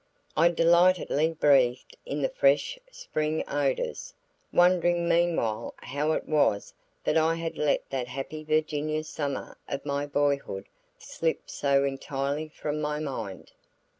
I delightedly breathed in the fresh spring odors, wondering meanwhile how it was that I had let that happy Virginia summer of my boyhood slip so entirely from my mind.